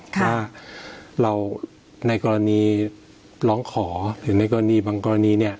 ถ้าเราในกรณีร้องขอหรือในกรณีบางกรณีเนี่ย